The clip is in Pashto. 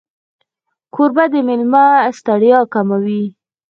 کوربه د مېلمه ستړیا کموي.